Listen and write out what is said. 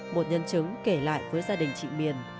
một nhân chứng kể lại với gia đình chị miền